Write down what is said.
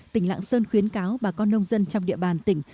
tỉnh lạng sơn khuyến cáo bà con nông dân trong địa bàn tỉnh